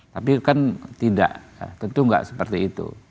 tapi kan tidak tentu nggak seperti itu